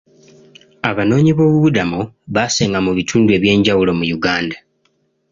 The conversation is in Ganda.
Abanoonyiboobubudamu baasenga mu bitundu ebyenjawulo mu Uganda.